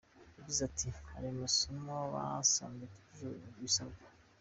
Yagize ati ”Hari amasomo basanze atujuje ibisabwa.